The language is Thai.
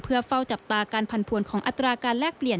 เพื่อเฝ้าจับตาการพันผวนของอัตราการแลกเปลี่ยน